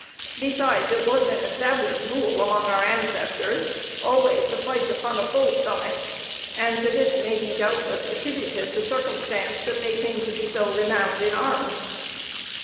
Besides, it was an established rule among our ancestors always to fight upon a full stomach, and to this may be doubtless attributed the circumstance that they came to be so renowned in arms.